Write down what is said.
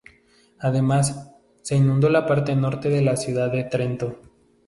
Además, se inundó la parte norte de la ciudad de Trento.